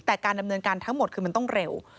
แต่การดำเนินการทั้งหมดคือมันต้องเร็ว